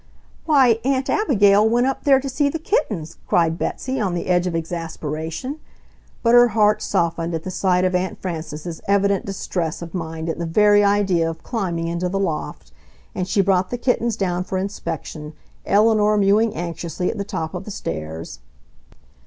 "Why, AUNT ABIGAIL went up there to see the kittens!" cried Betsy, on the edge of exasperation. But her heart softened at the sight of Aunt Frances's evident distress of mind at the very idea of climbing into the loft, and she brought the kittens down for inspection, Eleanor mewing anxiously at the top of the stairs.